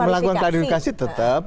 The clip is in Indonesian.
tapi melakukan klarifikasi tetap